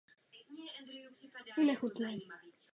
Dodává mimo jiné pro společnost Škoda Auto.